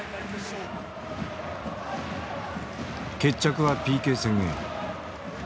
決着はＰＫ戦へ。